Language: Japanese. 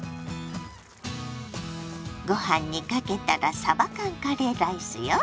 ご飯にかけたらさば缶カレーライスよ。